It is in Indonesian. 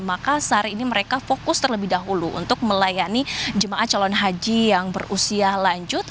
maka sehari ini mereka fokus terlebih dahulu untuk melayani jemaah calon haji yang berusia lanjut